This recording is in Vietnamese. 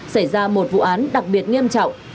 xảy ra một vụ án đặc biệt nghiêm trọng